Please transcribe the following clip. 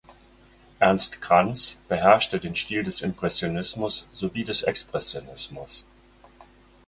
Ernst Krantz beherrschte den Stil des Impressionismus sowie des Expressionismus.